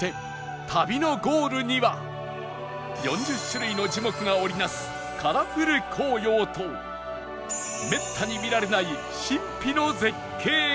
４０種類の樹木が織り成すカラフル紅葉とめったに見られない神秘の絶景が